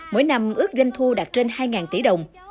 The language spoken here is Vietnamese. mỗi năm ước doanh thu đạt trên hai tỷ đồng